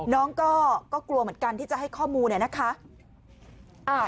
น้องก็กลัวเหมือนกันที่จะให้ข้อมูลเนี่ยนะคะ